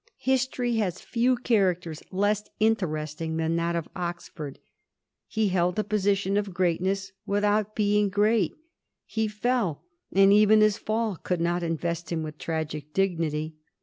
History has few charac ters less interesting than that of Oxford. He held a position of greatness without Ix^ng great ; he fell, and even his fall could not in^ (*st him with tragic dignity.